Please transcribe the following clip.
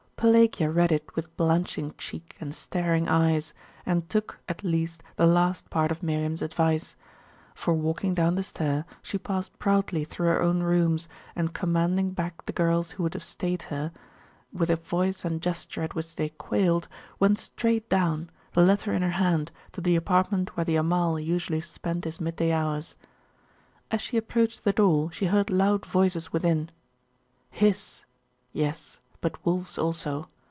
Pelagia read it with blanching cheek and staring eyes; and took, at least, the last part of Miriam's advice. For walking down the stair, she passed proudly through her own rooms, and commanding back the girls who would have stayed her, with a voice and gesture at which they quailed, went straight down, the letter in her hand, to the apartment where the Amal usually spent his mid day hours. As she approached the door, she heard loud voices within.... His! yes; but Wulf's also.